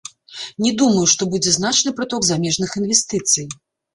Не думаю, што будзе значны прыток замежных інвестыцый.